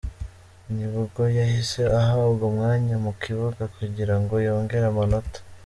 Nibwo yahise ahabwa umwanya mu kibuga kugira ngo yongere amanota.